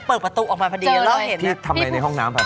แล้วคุณพูดกับอันนี้ก็ไม่รู้นะผมว่ามันความเป็นส่วนตัวซึ่งกัน